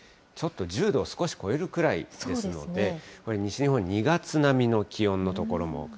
ちょっと１０度を少し超えるぐらいですので、これ、西日本、２月並みの気温の所も。